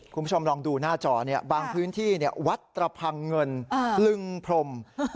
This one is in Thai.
คุณผู้ชมลองดูหน้าจอบางพื้นที่วัดตระพังเงินลึงพรม